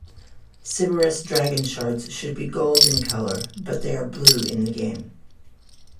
Siberys dragonshards should be gold in color, but they are blue in the game.